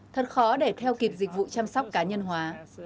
thật khó để theo kịp dịch vụ chăm sóc cá nhân hóa